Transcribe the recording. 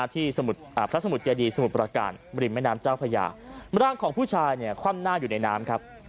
ที่พระสมุทรเจดีสมุทรประการบริมแม่น้ำเจ้าพญาร่างของผู้ชายเนี่ยคว่ำหน้าอยู่ในน้ำครับ